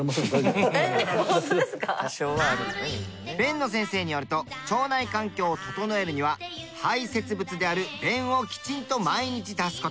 辨野先生によると腸内環境を整えるには排泄物である便をきちんと毎日出す事。